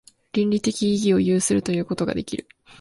倫理的意義を有するということができる。